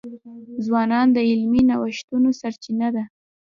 ځوانان د علمي نوښتونو سرچینه ده.